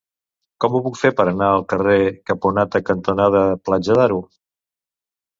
Com ho puc fer per anar al carrer Caponata cantonada Platja d'Aro?